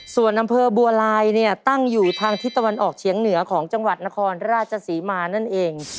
ส่วนอำเภอบัวลายเนี่ยตั้งอยู่ทางทิศตะวันออกเฉียงเหนือของจังหวัดนครราชศรีมานั่นเอง